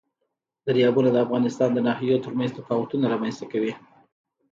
دریابونه د افغانستان د ناحیو ترمنځ تفاوتونه رامنځ ته کوي.